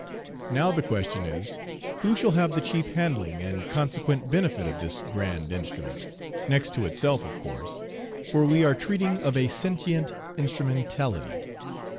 Now the question is, who shall have the chief handling and consequent benefit of this grand instrument, next to itself, of course, for we are treating of a sentient instrumentality.